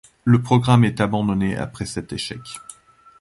Le programme est abandonné après cet échec.